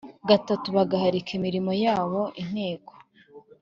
gatatu bagahagarika imirimo yabo Inteko